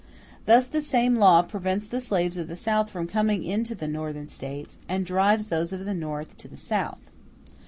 Thus the same law prevents the slaves of the South from coming to the Northern States, and drives those of the North to the South.